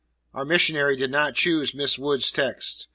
Our missionary did not choose Miss Wood's text.